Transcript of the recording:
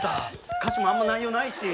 歌詞もあんま内容ないし。